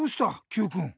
Ｑくん。